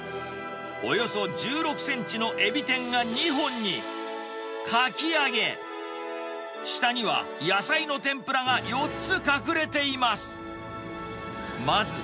およそ１６センチのエビ天が２本に、かき揚げ、下には野菜の天ぷらが４つ隠れています。